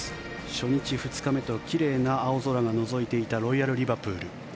初日、２日目と奇麗な青空がのぞいていたロイヤル・リバプール。